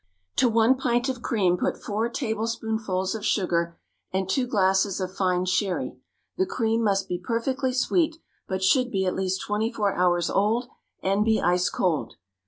_ To one pint of cream put four tablespoonfuls of sugar and two glasses of fine sherry. The cream must be perfectly sweet, but should be at least twenty four hours old, and be ice cold.